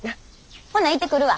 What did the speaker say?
ほな行ってくるわ。